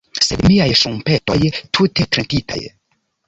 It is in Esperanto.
Sed miaj ŝtrumpetoj, tute trempitaj